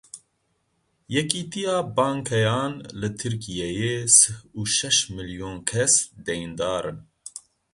Yekîtiya Bankeyan Li Tirkiyeyê sih û şeş milyon kes deyndar in.